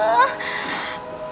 ya ampun tante